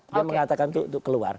dia mengatakan itu untuk keluar